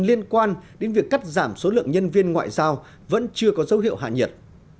liên quan đến việc cắt giảm số lượng nhân viên ngoại giao vẫn chưa có dấu hiệu hạ nhiệt